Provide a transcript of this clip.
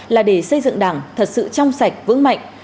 là để xây dựng đảng thật sự trong sạch vững mạnh